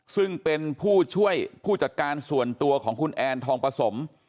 ซึ่งเป็นผู้ช่วยผู้จัดการส่วนตัวของคุณแอนทองประสม